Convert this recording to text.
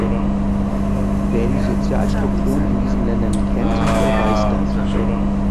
Wer die Sozialstrukturen in diesen Ländern kennt, der weiß das.